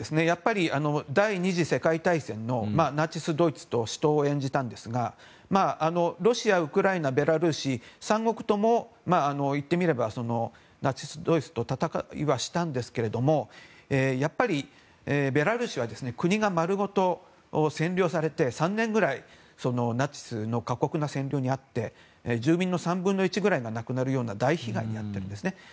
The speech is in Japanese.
第２次世界大戦のナチスドイツと死闘を演じたんですがロシア、ウクライナベラルーシ３国ともいってみればナチスドイツと戦いはしたんですけどやっぱり、ベラルーシは国が丸ごと占領されて３年ぐらいナチスの過酷な占領にあって住民の３分の１ぐらいが亡くなるような大被害に遭っているんです。